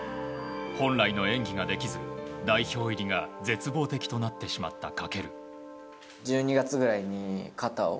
本来の演技ができず代表入りが絶望的となってしまった翔。